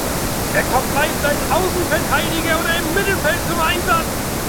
Er kommt meist als Außenverteidiger oder im Mittelfeld zum Einsatz.